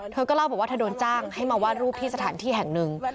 เธอก็เล่าบอกว่าเธอโดนจ้างให้มาวาดรูปที่สถานที่แห่งหนึ่ง